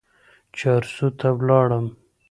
چارسو ته ولاړم.